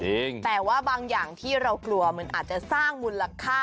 จริงแต่ว่าบางอย่างที่เรากลัวมันอาจจะสร้างมูลค่า